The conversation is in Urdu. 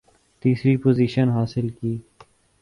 تیسری پوزیشن حاصل کی